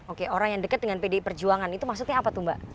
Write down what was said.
oke orang yang dekat dengan pdi perjuangan itu maksudnya apa tuh mbak